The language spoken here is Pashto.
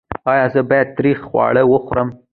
ایا زه باید تریخ خواړه وخورم؟